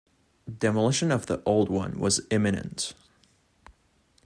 Demolition of the old one was imminent.